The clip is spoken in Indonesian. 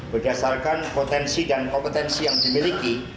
berdasarkan potensi dan kompetensi yang dimiliki